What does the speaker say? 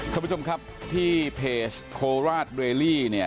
ทุกคนค่ะที่เพจโคลราตเรลี่เนี้ย